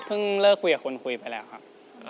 เลิกคุยกับคนคุยไปแล้วครับ